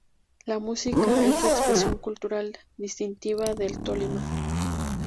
La música es la expresión cultural distintiva del Tolima.